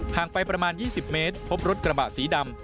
ไปประมาณ๒๐เมตรพบรถกระบะสีดำ